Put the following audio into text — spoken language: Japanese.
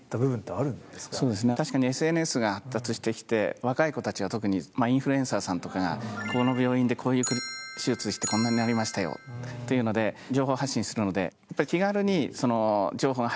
若い子たちは特にインフルエンサーさんとかがこの病院でこういう手術してこんなになりましたよって情報発信するので。